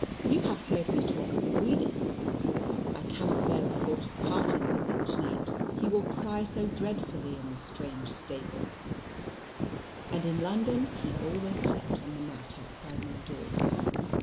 You have heard me talk of Giudice. I cannot bear the thought of parting with him to night, he will cry so dreadfully in the strange stables; and in London he always slept on the mat outside my door.